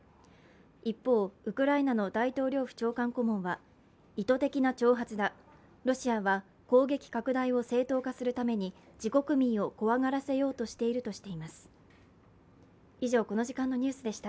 一方、ウクライナの大統領府長官顧問は、意図的な挑発だロシアは攻撃拡大を正当化するために自国民を怖がらせようとしているとしています。